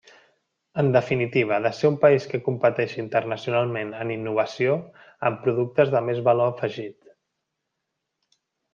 En definitiva, de ser un país que competeixi internacionalment en innovació, amb productes de més valor afegit.